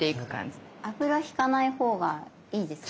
油引かないほうがいいですか？